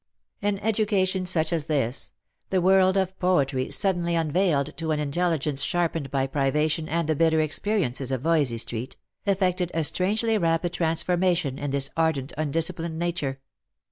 An education such as this — the world of poetry suddenly un veiled to an intelligence sharpened by privation and the bitter experiences of Voysey street — effected a strangely rapid trans formation in this ardent undisciplined nature.